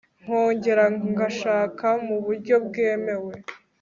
nkongera ngashaka mu buryo bwemewe